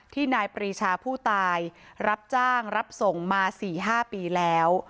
ที่นายปรีชาผู้ตายรับจ้างรับส่งมาสี่ห้าปีแล้ว